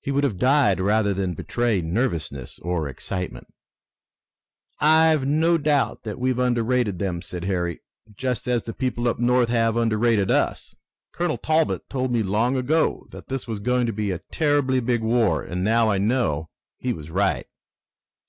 He would have died rather than betray nervousness or excitement. "I've no doubt that we've underrated them," said Harry. "Just as the people up North have underrated us. Colonel Talbot told me long ago that this was going to be a terribly big war, and now I know he was right."